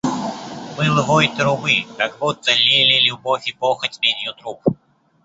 Был вой трубы – как будто лили любовь и похоть медью труб.